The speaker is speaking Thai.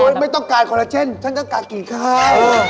โอ้โฮไม่ต้องการคอลลาเจนฉันก็ต้องการกินข้าว